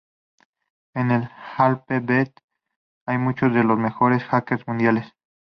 En alphabet hay muchos de los mejores Hackers mundiales.